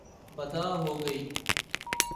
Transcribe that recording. بدعا ہو گئی